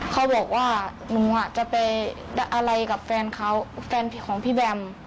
เขาบอกว่าหนูจะไปอะไรกับแฟนเขาแฟนของพี่แบม